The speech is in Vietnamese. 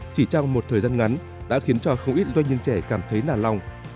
chỉ trong một thời gian ngắn đã khiến cho không ít doanh nhân trẻ cảm thấy nản lòng